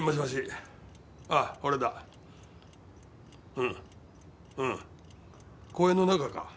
うんうん公園の中か？